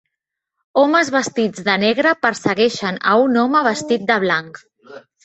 Homes vestits de negre persegueixen a un home vestit de blanc